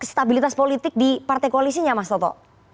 kestabilan politik di partai koalisnya mas toto